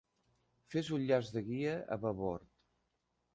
Fes un llaç de guia a babord.